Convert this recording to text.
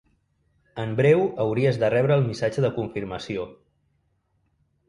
En breu hauries de rebre el missatge de confirmació.